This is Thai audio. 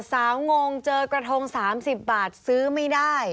งงเจอกระทง๓๐บาทซื้อไม่ได้